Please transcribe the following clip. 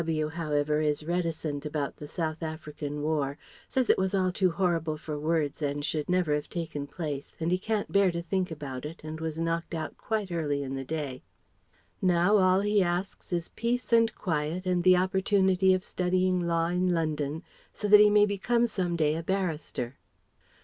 W. however is reticent about the South African War says it was all too horrible for words, and should never have taken place and he can't bear to think about it and was knocked out quite early in the day. Now all he asks is peace and quiet and the opportunity of studying law in London so that he may become some day a barrister.